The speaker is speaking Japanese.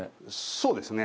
そうですね。